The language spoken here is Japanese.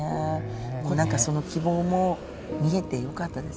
でも何かその希望も見えてよかったですね。